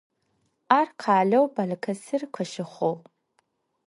Ар къалэу Балыкэсир къыщыхъугъ.